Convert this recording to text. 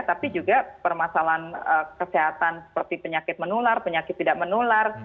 tapi juga permasalahan kesehatan seperti penyakit menular penyakit tidak menular